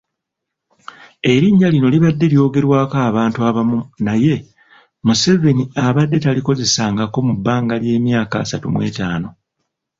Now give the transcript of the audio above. Erinnya lino libadde lyogerwako abantu abamu naye Museveni abadde talikozesangako mu bbanga ly'emyaka asatumw'etaano.